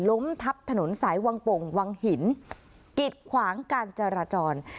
ล้มทับถนนสายวังโป่งวังหินกิดขวางการจราจร